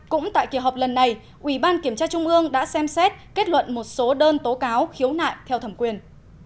năm cũng tại kỳ họp lần này ủy ban kiểm tra trung ương đã xem xét kết luận một số đơn tố cáo khiếu nại theo thẩm quyền